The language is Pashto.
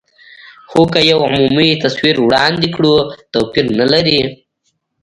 خو که یو عمومي تصویر وړاندې کړو، توپیر نه لري.